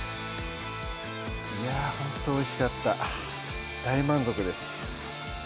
いやほんとおいしかった大満足です